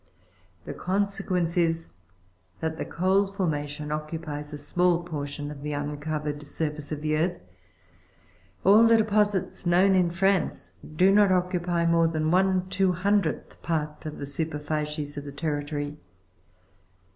The consequence is, that the coal formation occupies a small portion of the uncovered surface of the earth. Ah 1 the depo sites known in France do not occupy more than one two hundredth part of the superficies of the territory.